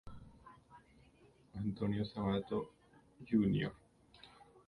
Antonio Sabato, Jr.